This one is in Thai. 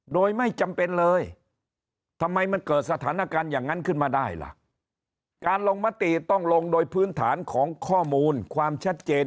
โดยไม่จำเป็นเลยทำไมมันเกิดสถานการณ์อย่างนั้นขึ้นมาได้ล่ะการลงมติต้องลงโดยพื้นฐานของข้อมูลความชัดเจน